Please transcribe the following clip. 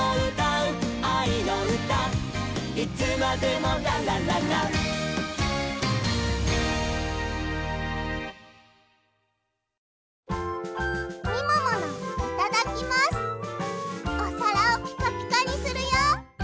おさらをピカピカにするよ！